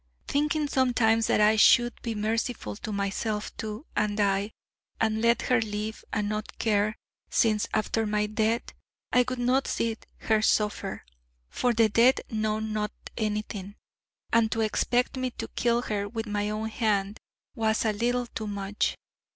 thinking sometimes that I should be merciful to myself too, and die, and let her live, and not care, since, after my death, I would not see her suffer, for the dead know not anything: and to expect me to kill her with my own hand was a little too much.